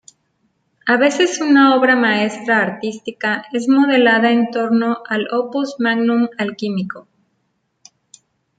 A veces una obra maestra artística es modelada en torno al Opus magnum alquímico.